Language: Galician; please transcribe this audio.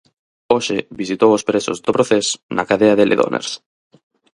Hoxe visitou os presos do Procés na cadea de Lledoners.